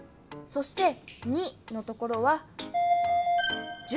そして「２」のところは１０ぷん。